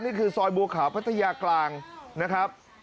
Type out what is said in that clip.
นี่คือซอยบัวขาวพัทยากลางนะครับ